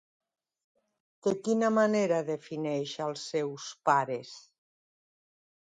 De quina manera defineix als seus pares?